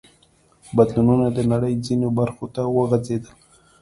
بدلونونه د نړۍ ځینو برخو ته وغځېدل.